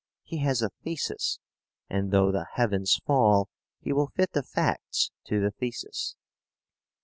He has a thesis, and though the heavens fall he will fit the facts to the thesis.